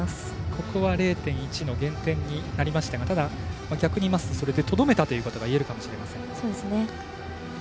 ここは０．１の減点になりましたがただ、逆に言いますとそれでとどめたということがいえるかもしれません。